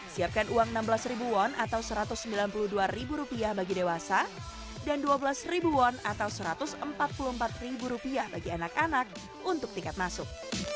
siapkan uang enam belas won atau satu ratus sembilan puluh dua bagi dewasa dan dua belas won atau satu ratus empat puluh empat bagi anak anak untuk tiket masuk